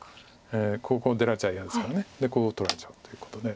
ここ出られちゃ嫌ですからこう取られちゃうということで。